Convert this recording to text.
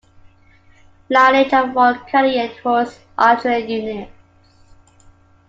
Lineage of Royal Canadian Horse Artillery units.